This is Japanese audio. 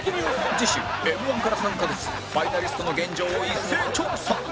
次週 Ｍ−１ から３カ月ファイナリストの現状を一斉調査！